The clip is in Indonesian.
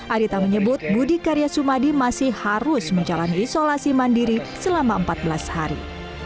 adita menyebut budi karya sumadi masih harus menjalani isolasi mandiri selama empat belas hari